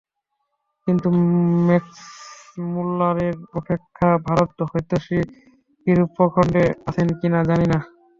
কিন্তু ম্যাক্সমূলারের অপেক্ষা ভারতহিতৈষী ইউরোপখণ্ডে আছেন কিনা, জানি না।